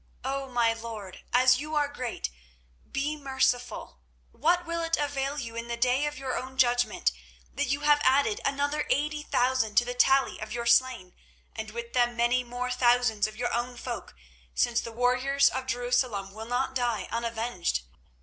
"Oh, my lord! as you are great, be merciful. What will it avail you in the day of your own judgment that you have added another eighty thousand to the tally of your slain, and with them many more thousands of your own folk, since the warriors of Jerusalem will not die unavenged?